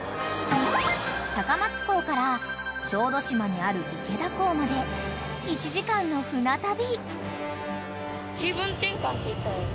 ［高松港から小豆島にある池田港まで１時間の船旅］